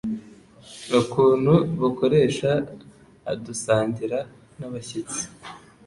ukuntu bakoresha aDusangira n’abashyitsi